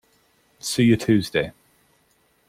See you Tuesday!